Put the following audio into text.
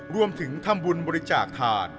รวมถึงทำบุญบริจาคถาด